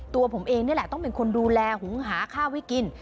ตัวผมเองนี่แหละต้องเป็นคนดูแลหุงหาข้าวให้กิน